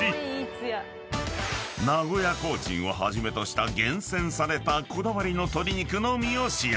［名古屋コーチンをはじめとした厳選されたこだわりの鶏肉のみを使用］